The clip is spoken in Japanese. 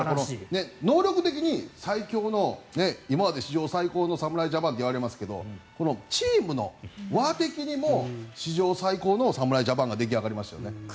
能力的に、最強の史上最高の侍ジャパンといわれましたがこのチームの輪的にも史上最高の侍ジャパンが出来上がりましたよね。